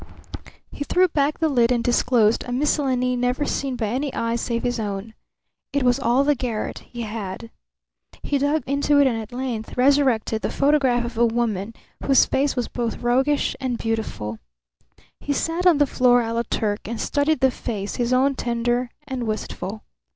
He threw back the lid and disclosed a miscellany never seen by any eye save his own. It was all the garret he had. He dug into it and at length resurrected the photograph of a woman whose face was both roguish and beautiful. He sat on the floor a la Turk and studied the face, his own tender and wistful.